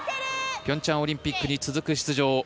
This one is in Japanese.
ピョンチャンオリンピックに続く出場。